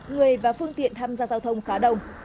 người và phương tiện tham gia giao thông khá đông